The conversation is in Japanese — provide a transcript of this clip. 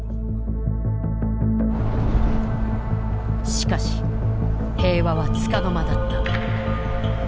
しかし平和はつかの間だった。